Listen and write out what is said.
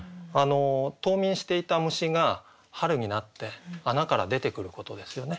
冬眠していた虫が春になって穴から出てくることですよね